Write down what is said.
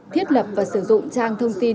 thiết lập và sử dụng trang thông tin